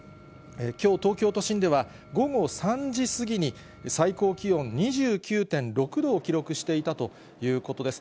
きょう、東京都心では午後３時過ぎに最高気温２９．６度を記録していたということです。